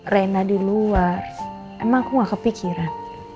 rena di luar emang aku gak kepikiran